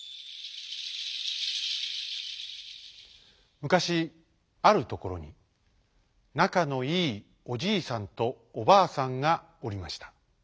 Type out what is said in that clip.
むかしあるところになかのいいおじいさんとおばあさんがおりました。